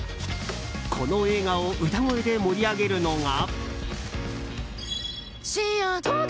この映画を歌声で盛り上げるのが。